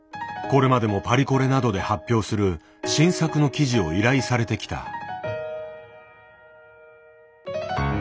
これまでもパリコレなどで発表する新作の生地を依頼されてきた。